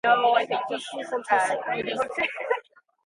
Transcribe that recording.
Bhí sí chun tosaigh air.